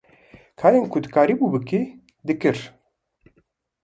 Karên ku dikarîbû bikî, dikir.